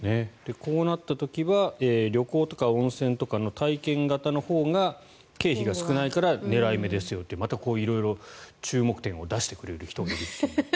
こうなった時は旅行とか温泉とかの体験型のほうが経費が少ないから狙い目ですよとまたこう色々注目点を出してくれるという。